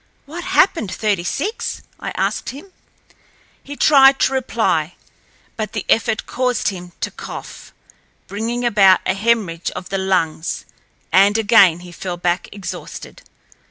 "What happened, Thirty six?" I asked him. He tried to reply, but the effort caused him to cough, bringing about a hemorrhage of the lungs and again he fell back exhausted.